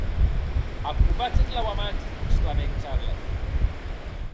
Apropatz eth lauamans!, exclamèc Charles.